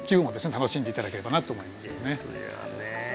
楽しんでいただければなと思いますね